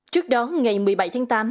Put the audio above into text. trước đó ngày một mươi bảy tháng tám